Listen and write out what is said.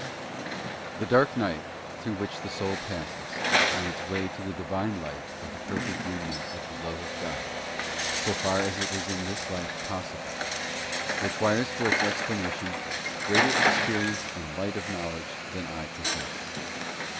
Tue dark night, through which the soul passes, on its way to the Divine light of the perfect union of the love of God — so far as it is in this life possible — requires for its explanation greater experience and light of knowledge than I possess.